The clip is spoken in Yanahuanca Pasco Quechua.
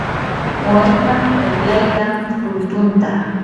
wallpam uqlaykan runtunta.